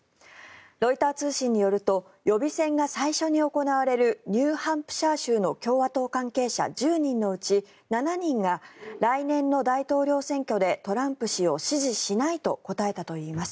ロイター通信によると予備選が最初に行われるニューハンプシャー州の共和党関係者１０人のうち７人が来年の大統領選挙でトランプ氏を支持しないと答えたといいます。